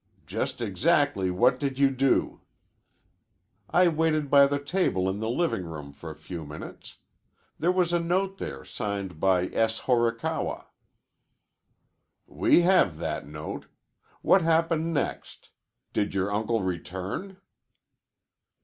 "Just exactly what did you do?" "I waited by the table in the living room for a few minutes. There was a note there signed by S. Horikawa." "We have that note. What happened next? Did your uncle return?"